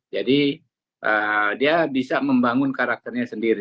jadi dia bisa membangun karakternya sendiri